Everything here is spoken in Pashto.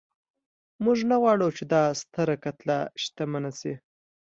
موږ نه غواړو چې دا ستره کتله شتمنه شي.